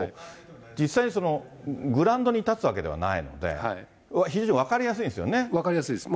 実際にグラウンドに立つわけではないので、非常に分かりやすいん分かりやすいです。